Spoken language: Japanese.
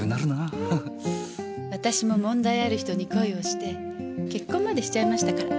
私も問題ある人に恋をして結婚までしちゃいましたから。